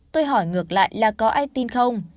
tôi hỏi ngược lại là có ai tin không